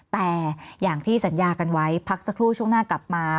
แต่อย่างที่สัญญากันไว้พักสักครู่ช่วงหน้ากลับมา